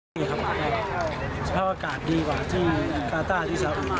สภาพอากาศดีกว่าที่เกาะต้าที่สาวอื่น